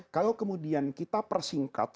kalau kemudian kita persingkat